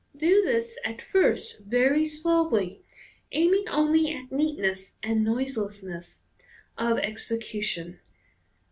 Do this at first very slowly, aiming only at neat ness and noiselessness of execution.